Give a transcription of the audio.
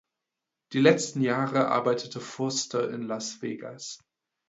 Die letzten Jahre arbeitete Foster in Las Vegas.